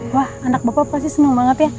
wah anak bapak pasti senang banget ya